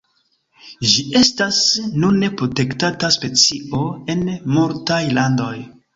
Ĝi estas nune protektata specio en multaj landoj.